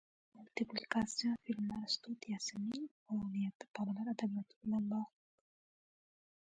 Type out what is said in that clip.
– “Multiplikatsion filmlar studiyasi”ning faoliyati bolalar adabiyoti bilan bog'liq.